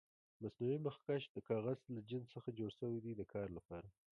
مصنوعي مخکش د کاغذ له جنس څخه جوړ شوي دي د کار لپاره.